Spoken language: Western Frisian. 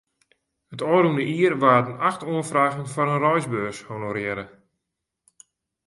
It ôfrûne jier waarden acht oanfragen foar in reisbeurs honorearre.